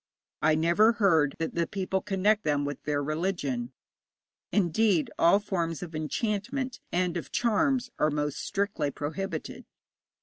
I never heard that the people connect them with their religion. Indeed, all forms of enchantment and of charms are most strictly prohibited.